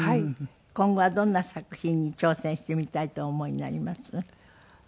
今後はどんな作品に挑戦してみたいとお思いになります？